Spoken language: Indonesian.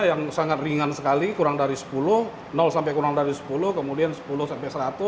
yang sangat ringan sekali kurang dari sepuluh sampai kurang dari sepuluh kemudian sepuluh sampai seratus